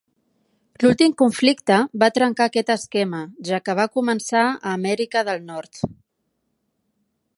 L'últim conflicte va trencar aquest esquema, ja que va començar a Amèrica del Nord.